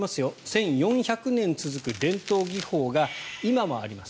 １４００年続く伝統技法が今もあります。